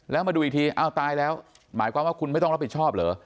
แล้วมาดูอีกทีอ้าวตายแล้วหมายความว่าคุณไม่ต้องรับผิดชอบเหรอ